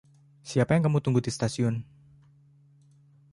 Siapa yang kamu tunggu di stasiun?